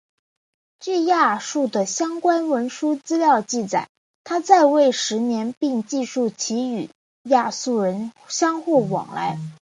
据亚述的相关文书资料记载他在位约十年并记述其曾与亚述人相互往来。